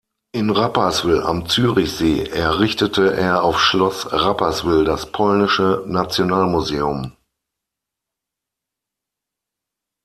In Rapperswil am Zürichsee errichtete er auf Schloss Rapperswil das polnische Nationalmuseum.